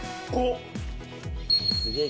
すげえ